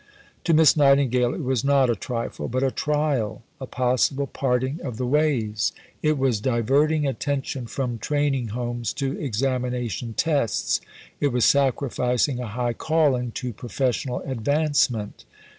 To Miss Nightingale it was not a trifle, but a trial a possible parting of the ways. It was diverting attention from training homes to examination tests; it was sacrificing a high calling to professional advancement.